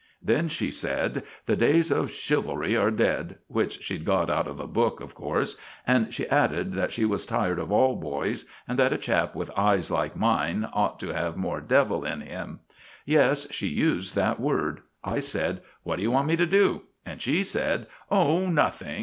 Then she said, 'The days of chivalry are dead,' which she'd got out of a book, of course; and she added that she was tired of all boys, and that a chap with eyes like mine ought to have more 'devil' in him. Yes, she used that word. I said, 'What do you want me to do?' And she said, 'Oh, nothing.